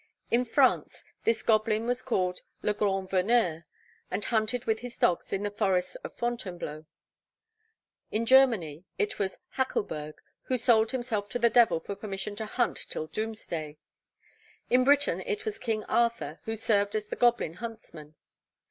In France this goblin was called Le Grand Veneur, and hunted with his dogs in the forests of Fontainebleau; in Germany it was Hackelberg, who sold himself to the devil for permission to hunt till doomsday. In Britain it was King Arthur who served as the goblin huntsman.